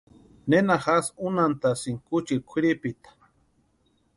¿Nena jásï únhantasïnki kuchiri kwʼiripita?